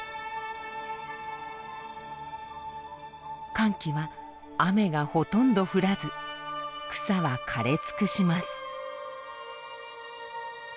乾季は雨がほとんど降らず草は枯れ尽くします。